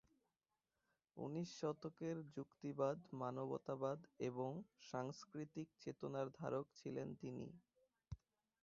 ঊনিশ শতকের যুক্তিবাদ, মানবতাবাদ এবং সাংস্কৃতিক চেতনার ধারক ছিলেন তিনি।